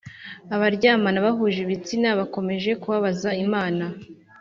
Abaryamana bahuje ibitsina bakomeje kubabaza imana